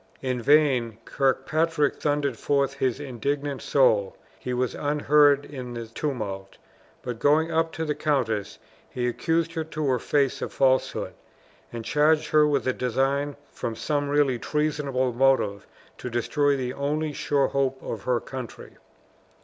In vain Kirkpatrick thundered forth his indignant soul; he was unheard in the tumult; but going up to the countess, he accused her to her face of falsehood, and charged her with a design from some really treasonable motive to destroy the only sure hope of her country.